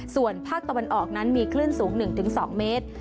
ส่วนภาคตะวันออกนั้นมีคลื่นสูง๑๒เมตร